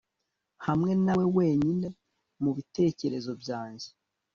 hamwe nawe wenyine mubitekerezo byanjye